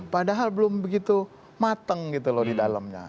padahal belum begitu mateng gitu loh di dalamnya